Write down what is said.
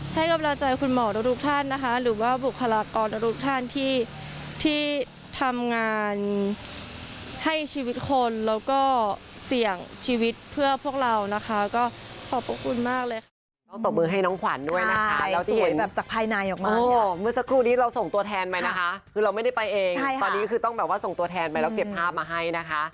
ให้กำลังใจคุณหมอทุกท่านนะคะหรือว่าบุคลากรทุกท่านที่ทำงานให้ชีวิตคนแล้วก็เสี่ยงชีวิตเพื่อพวกเรานะคะก็ขอบคุณมากเลย